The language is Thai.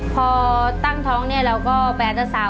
พอตั้งท้องเราก็ไปอันตรศาล